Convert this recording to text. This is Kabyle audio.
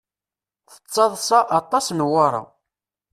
Tettaḍṣa aṭas Newwara.